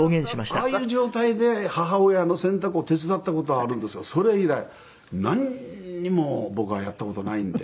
ああいう状態で母親の洗濯を手伝った事はあるんですけどそれ以来なんにも僕はやった事ないんで。